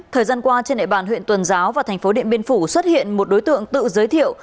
thời gian qua trên đệ bàn huyện tuần giáo và tp điện biên phủ xuất hiện một đối tượng tự giới thiệu